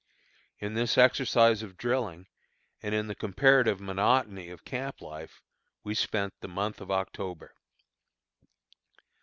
In this exercise of drilling, and in the comparative monotony of camp life, we spent the month of October.